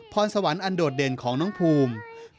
พรสวรรค์อันโดดเด่นของน้องภูมิ